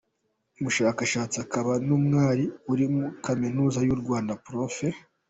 Umushakashatsi akaba n’umwari uri Kaminuza y’u Rwanda, Prof.